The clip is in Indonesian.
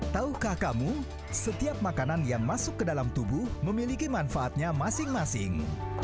tahukah kamu setiap makanan yang masuk ke dalam tubuh memiliki manfaatnya masing masing